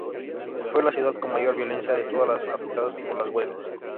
Fue la ciudad con mayor violencia de todas las afectadas por las huelgas.